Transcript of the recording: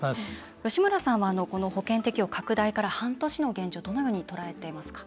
吉村さんは保険適用拡大から半年の現状どのように捉えていますか？